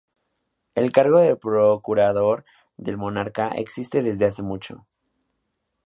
El cargo de procurador del monarca existe desde hace mucho.